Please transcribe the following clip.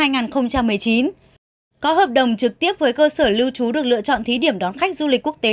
năm hai nghìn một mươi chín có hợp đồng trực tiếp với cơ sở lưu trú được lựa chọn thí điểm đón khách du lịch quốc tế